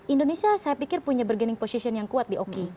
indonesia saya pikir punya bergaining position yang kuat di oki